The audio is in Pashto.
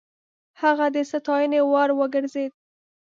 هغه د ستاينې وړ وګرځېد.